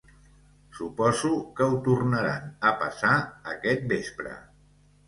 Suposo que ho tornaran a passar aquest vespre.